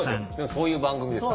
そういう番組です。